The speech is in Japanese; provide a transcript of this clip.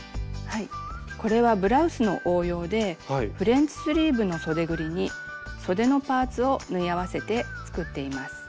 これはブラウスの応用でフレンチスリーブのそでぐりにそでのパーツを縫い合わせて作っています。